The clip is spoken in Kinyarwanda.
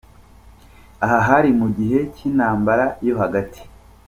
Aha hari mu gihe cy’intambara yo hagati.